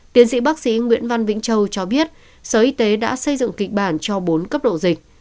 tiến sĩ bác sĩ nguyễn văn vĩnh châu cho biết sở y tế đã xây dựng kịch bản cho bốn cấp độ dịch